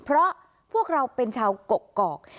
เพราะพวกเราเป็นชาวกกอก